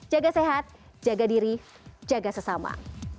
jaga sehat jaga diri jaga sesama